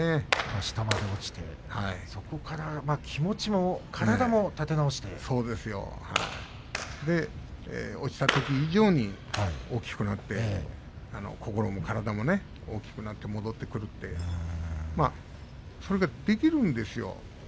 下まで落ちてそこから落ちたとき以上に大きくなって、心も体もね戻ってくるというそれができるんですよ